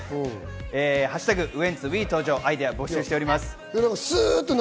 「＃ウエンツＷＥ登場」でアイデアを募集しています。